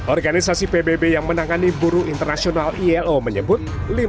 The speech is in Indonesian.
organisasi pbb yang menangani buruh internasional ilo menyebut